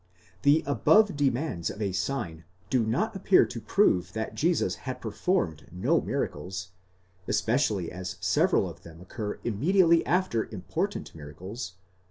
The above demands of a sign do not appear to prove that Jesus had performed no miracles, especially as several of them occur immediately after important miracles, e.